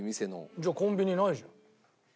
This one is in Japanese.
じゃあコンビニにないじゃん。